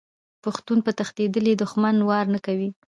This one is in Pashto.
پښتون په تښتیدلي دښمن وار نه کوي.